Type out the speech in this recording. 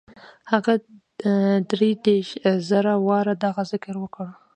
هغه دري دېرش زره واره دغه ذکر وکړ.